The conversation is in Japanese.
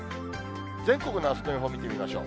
全国のあすの予報見てみましょう。